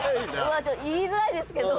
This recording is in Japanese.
言いづらいですけど。